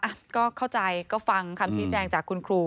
อ่ะก็เข้าใจก็ฟังคำชี้แจงจากคุณครู